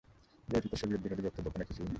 বইটিতে সোভিয়েট বিরোধী বক্তব্য কোন কিছুই নেই।